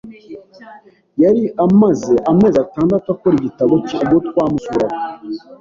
Yari amaze amezi atandatu akora igitabo cye ubwo twamusuraga.